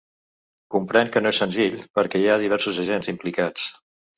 Comprenc que no és senzill, perquè hi ha diversos agents implicats.